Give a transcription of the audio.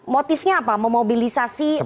motifnya apa memobilisasi pasukan